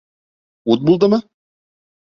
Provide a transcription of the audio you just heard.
Ут булдымы?